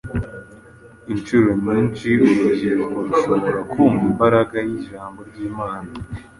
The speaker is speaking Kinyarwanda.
Incuro nyinshi urubyiruko rushobora kumva imbaraga y’ijambo ry’Imana.